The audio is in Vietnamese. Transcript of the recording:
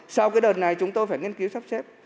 sau cái đợt này chúng tôi phải nghiên cứu sắp xếp